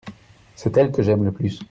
c'est elle que j'aime le plus.